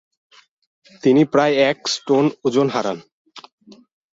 তিনি প্রায় এক স্টোন ওজন হারান।